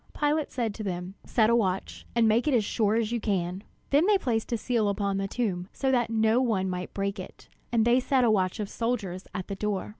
Pilate said to them: "Set a watch, and make it as sure as you can." Then they placed a seal upon the stone, so that no one might break it; and they set a watch of soldiers at the door.